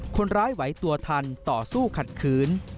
คนร้ายไหวตัวทันต่อสู้ขัดขืน